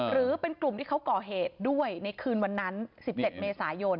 หรือเป็นกลุ่มที่เขาก่อเหตุด้วยในคืนวันนั้น๑๗เมษายน